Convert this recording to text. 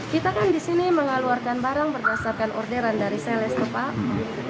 kita kan disini mengeluarkan barang berdasarkan orderan dari seles tepak